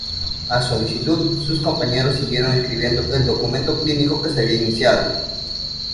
A su solicitud, sus compañeros siguieron escribiendo el documento clínico que había iniciado.